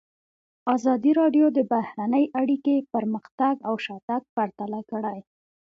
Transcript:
ازادي راډیو د بهرنۍ اړیکې پرمختګ او شاتګ پرتله کړی.